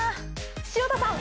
潮田さん！